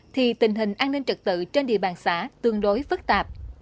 thì tình hình an ninh trật tự trên địa bàn xã tương đối phức tạp